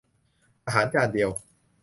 อาหารจานเดียว